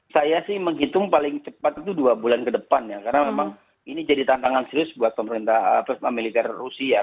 saya sih menghitung paling cepat itu dua bulan ke depan ya karena memang ini jadi tantangan serius buat pemerintah militer rusia